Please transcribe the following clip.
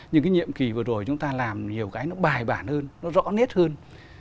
nhưng cái nhiệm kỳ vừa rồi chúng ta làm nhiều cái nó bài bản hơn nó rõ nét hơn